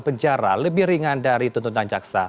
penjara lebih ringan dari tuntutan jaksa